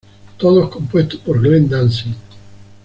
Todos compuestos por Glenn Danzig.